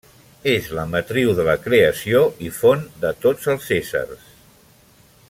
És la matriu de la creació i font de tots els éssers.